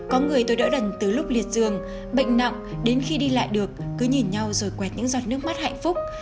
có người tôi đỡ đần từ lúc liệt giường bệnh nặng đến khi đi lại được cứ nhìn nhau rồi quẹt những giọt nước mắt hạnh phúc